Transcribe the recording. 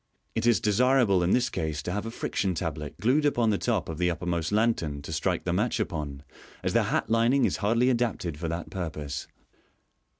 It is desirable in this case to have a friction tablet glued upon the top of the uppermost lantern to strike the match upon, as the hat lining is hardly adapted for that purpose.